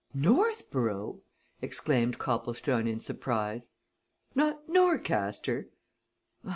"Northborough!" exclaimed Copplestone, in surprise. "Not Norcaster?